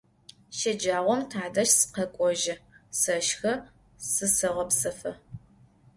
Şecağom tadej sıkhek'ojı, seşşxe, zıseğepsefı.